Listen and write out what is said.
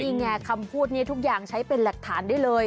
นี่ไงคำพูดนี้ทุกอย่างใช้เป็นหลักฐานได้เลย